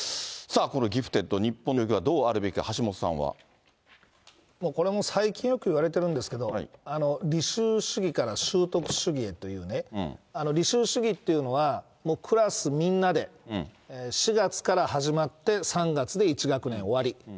ギフテッド、日本の教育はどうあるべきか、最近よく言われてるんですけど、履修主義から習得主義へというね、履修主義というのは、クラスみんなで、４月から始まって３月で１学年終わり。